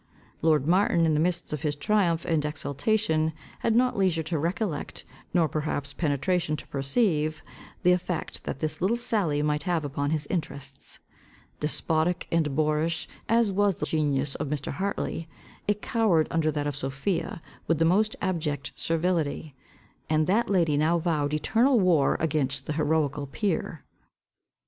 Lord Martin, in the midst of his triumph and exultation, had not leisure to recollect, nor perhaps penetration to perceive, the effect that this little sally might have upon his interests. Despotic and boorish as was the genius of Mr. Hartley, it cowred under that of Sophia with the most abject servility. And that lady now vowed eternal war against the heroical peer.